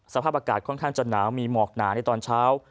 สภาพอากาศค่อนข้างจะหนาวมีหมอกหนาในตอนเช้า